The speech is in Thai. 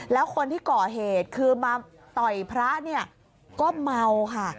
แล้วคนที่ก่อเหตุคือมาต่อยพระเนี่ยก็เมาค่ะ